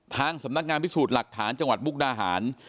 ทางสำนักงานพิสูจน์หลักฐานจังหวัดมุกดาหาร